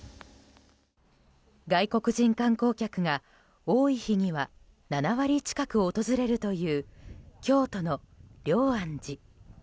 外国人観光客が多い日には７割近く訪れるという京都の龍安寺。